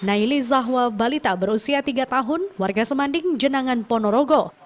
naili zahwa balita berusia tiga tahun warga semanding jenangan ponorogo